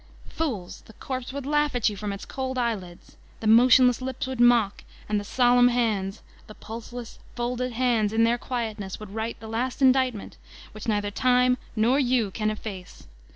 Fools! The corpse would laugh at you from its cold eyelids! The motion* less lips would mock, and the solemn hands, the pulse less, folded hands, in their quietness would write the last indictment, which neither Time nor you can efface.